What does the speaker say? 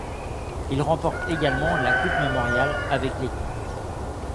Il remporte également la Coupe Memorial avec l'équipe.